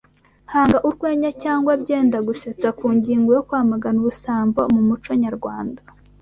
Hanga urwenya cyangwa byendagusetsa ku ngingo yo kwamagana ubusambo mu muco nyarwanda